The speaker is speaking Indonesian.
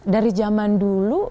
dari zaman dulu